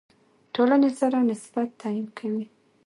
ټولنې سره نسبت تعیین کوي.